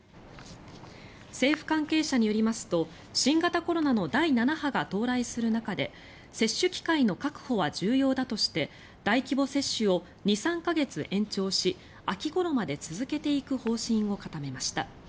政府関係者によりますと新型コロナの第７波が到来する中で接種機会の確保は重要だとして大規模接種を２３か月延長し秋ごろまで続けていく方針を固めました。